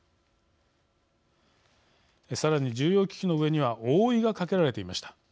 さらに、重要機器の上には覆いが掛けられていました。